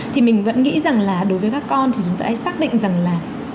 thì mình vẫn nghĩ rằng là đối với các con thì chúng ta hãy xác định rằng là